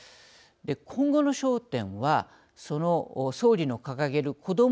今後の焦点はその総理の掲げる子ども